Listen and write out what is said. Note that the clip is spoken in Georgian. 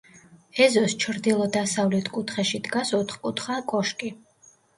ეზოს ჩრდილო-დასავლეთ კუთხეში დგას ოთხკუთხა კოშკი.